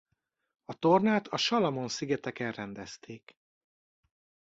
A tornát a Salamon-szigeteken rendezték.